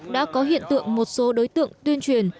đã có hiện tượng một số đối tượng tuyên truyền